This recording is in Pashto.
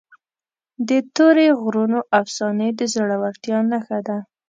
د تورې غرونو افسانې د زړورتیا نښه ده.